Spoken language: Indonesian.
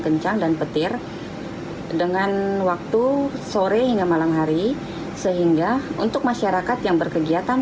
kencang dan petir dengan waktu sore hingga malam hari sehingga untuk masyarakat yang berkegiatan